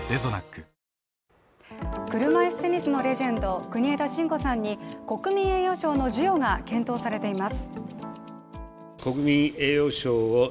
車いすテニスのレジェンド・国枝慎吾さんに国民栄誉賞の授与が検討されています。